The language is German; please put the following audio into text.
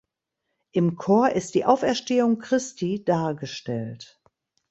Im Chor ist die Auferstehung Christi dargestellt.